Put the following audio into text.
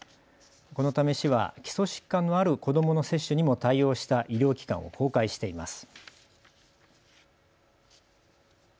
このため市は基礎疾患のある子どもの接種にも対応した医療機関を公開しています。